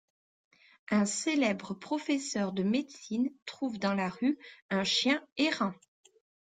Un célèbre professeur de médecine trouve dans la rue un chien errant.